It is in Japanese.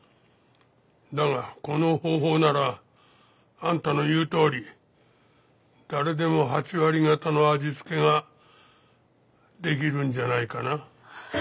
だがこの方法ならあんたの言うとおり誰でも８割方の味付けができるんじゃないかな。